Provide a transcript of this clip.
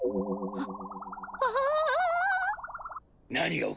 あっ？